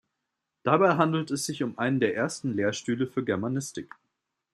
Dabei handelte es sich um einen der ersten Lehrstühle für Germanistik.